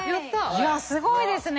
いやすごいですね。